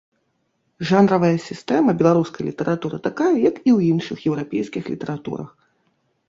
Жанравая сістэма беларускай літаратуры такая, як і ў іншых еўрапейскіх літаратурах.